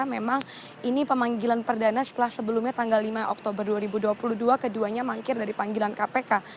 memang ini pemanggilan perdana setelah sebelumnya tanggal lima oktober dua ribu dua puluh dua keduanya mangkir dari panggilan kpk